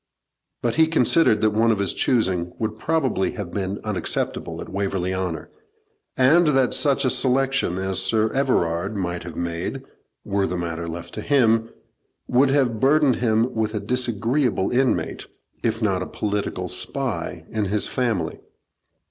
But he considered that one of his choosing would probably have been unacceptable at Waverley Honour, and that such a selection as Sir Everard might have made, were the matter left to him, would have burdened him with a disagreeable inmate, if not a political spy, in his family.